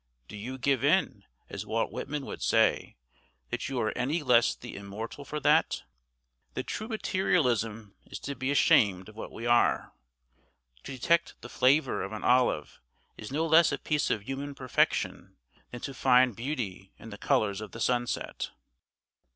Do you give in, as Walt Whitman would say, that you are any the less immortal for that? The true materialism is to be ashamed of what we are. To detect the flavour of an olive is no less a piece of human perfection than to find beauty in the colours of the sunset.